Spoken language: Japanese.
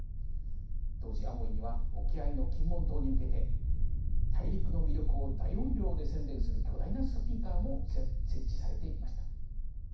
当時アモイには沖合の金門島に向けて大陸の魅力を大音量で宣伝する巨大なスピーカーも設置されていました。